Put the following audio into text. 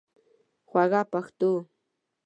خوږه پښتو